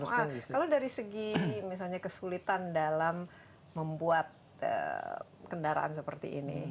nah kalau dari segi misalnya kesulitan dalam membuat kendaraan seperti ini